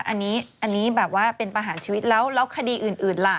อันนี้แบบว่าเป็นประหารชีวิตแล้วคดีอื่นล่ะ